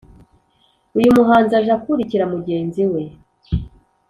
uyu muhanzi aje akurikira mugenzi we